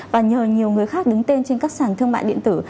và nhờ nhiều người khác đứng tên trên các sản thương mại điện tử